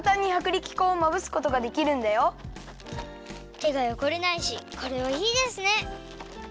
てがよごれないしこれはいいですね！